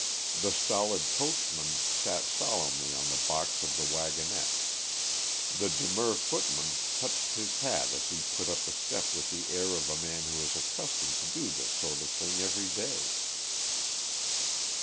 The stolid coachman sat solemnly on the box of the wagonette; the demure footman touched his hat as he put up the step with the air of a man who is accustomed to do this sort of thing every day.